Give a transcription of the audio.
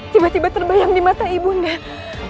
tiba tiba terbayang di mata ibu mbak